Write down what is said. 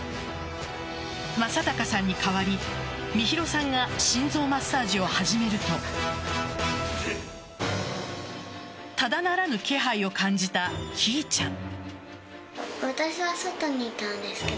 正隆さんに代わり美弘さんが心臓マッサージを始めるとただならぬ気配を感じたひーちゃん。